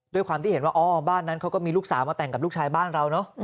ด้วยความที่เห็นว่าอ๋อบ้านนั้นเขาก็มีลูกสาวมาแต่งกับลูกชายบ้านเราเนอะ